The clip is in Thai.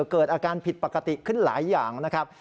เกิดอาการผิดปกติขึ้นหลายอย่างนะครับ